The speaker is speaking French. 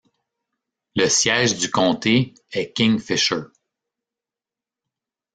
Le siège du comté est Kingfisher.